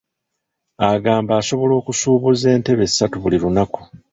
Agamba asobola okusuubuza entebe ssatu buli lunaku.